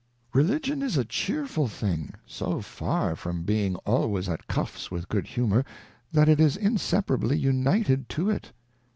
Religion is a chearful thing, so far from being always at Cuffs with Good Humour, that it is inseparably united to it.